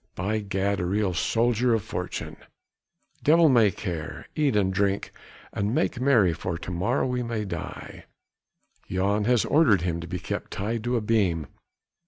By Gad! a real soldier of fortune! devil may care! eat and drink and make merry for to morrow we may die. Jan has ordered him to be kept tied to a beam!